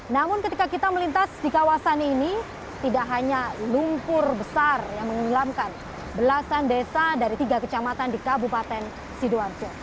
namun ketika kita melintas di kawasan ini tidak hanya lumpur besar yang menginglamkan belasan desa dari tiga kecamatan di kabupaten sidoarjo